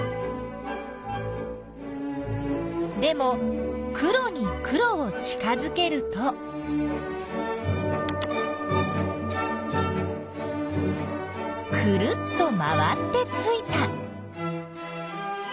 でも黒に黒を近づけるとくるっと回ってついた。